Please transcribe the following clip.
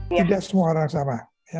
tidak semua orang sama